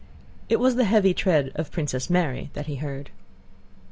It was the heavy tread of Princess Mary that he heard.